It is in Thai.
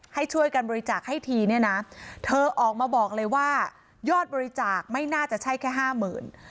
ให้ช่วยกันบริจาคให้ทีเนี่ยนะเธอออกมาบอกเลยว่ายอดบริจาคไม่น่าจะใช่แค่ห้าหมื่น